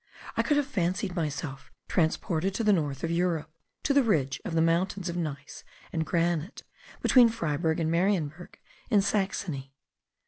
I could have fancied myself transported to the north of Europe, to the ridge of the mountains of gneiss and granite between Freiberg and Marienberg in Saxony.